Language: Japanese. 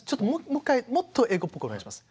もう１回もっと英語っぽくお願いします。